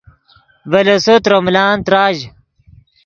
ڤے لیسو ترے ملان تراژ